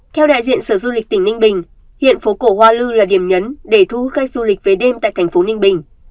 theo đại diện sở du lịch tỉnh ninh bình hiện phố cổ hoa lư là điểm nhấn để thu hút cách du lịch về đêm tại thành phố ninh bình